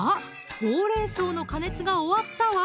ほうれん草の加熱が終わったわ！